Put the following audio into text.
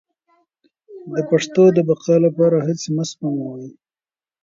د پښتو د بقا لپاره هڅې مه سپموئ.